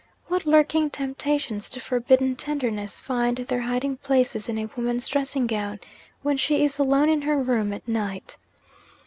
What lurking temptations to forbidden tenderness find their hiding places in a woman's dressing gown, when she is alone in her room at night!